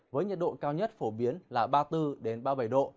với nhiệt độ cao nhất phổ biến là ba mươi bốn ba mươi bảy độ